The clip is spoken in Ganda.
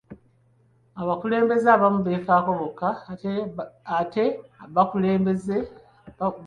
Abakulembeze abamu beefaako bokka ate bakulembeza ssente.